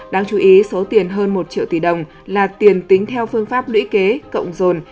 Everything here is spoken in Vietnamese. đáng chú ý số tiền hơn một triệu tỷ đồng là tiền tính theo phương pháp lũy kế cộng dồn